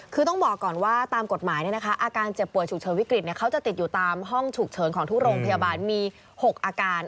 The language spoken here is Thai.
คือต้องบอกก่อนว่าตามกฎหมายอาการเจ็บป่วยฉุกเฉินวิกฤตเขาจะติดอยู่ตามห้องฉุกเฉินของทุกโรงพยาบาลมี๖อาการ